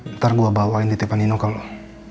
ntar gue bawain di depan nino kalau